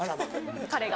彼が。